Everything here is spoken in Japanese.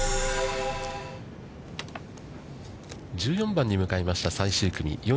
１４番に向かいました最終組。